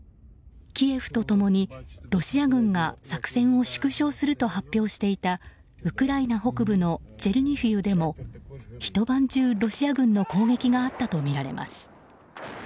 キエフと共にロシア軍が作戦を縮小すると発表していたウクライナ北部のチェルニヒウでも一晩中、ロシア軍の攻撃があったとみられます。